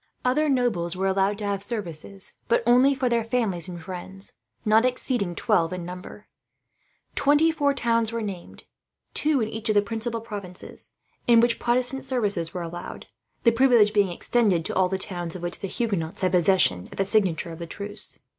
Other nobles were allowed to have services, but only for their families and friends, not exceeding twelve in number. Twenty four towns were named, two in each of the principal provinces, in which Protestant services were allowed; the privilege being extended to all the towns of which the Huguenots had possession, at the signature of the truce.